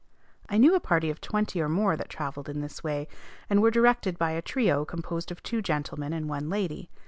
I knew a party of twenty or more that travelled in this way, and were directed by a trio composed of two gentlemen and one lady.